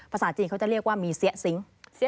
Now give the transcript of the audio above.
ภาษาจีนเขาจะเรียกว่ามีเสี้ยซิง